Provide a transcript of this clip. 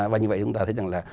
và như vậy chúng ta thấy rằng là